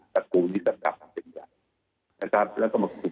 กระตูนี้ก็กลับมาจึงแล้วแล้วก็มาคุมบนบริเวณ